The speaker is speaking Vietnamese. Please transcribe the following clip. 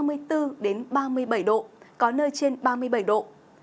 nhiệt độ cao nhất là ba mươi bốn ba mươi bảy độ có nơi trên ba mươi bảy độ